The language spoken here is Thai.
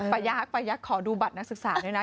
ประยักษ์ขอดูบัตรนักศึกษาด้วยนะ